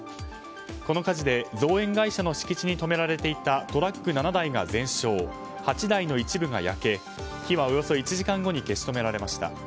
この火事で造園会社の敷地に止められていたトラック７台が全焼８台の一部が焼け火はおよそ１時間後に消し止められました。